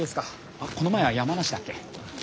あっこの前は山梨だっけ？